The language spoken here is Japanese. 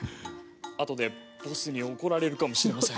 あとでボスに怒られるかもしれません。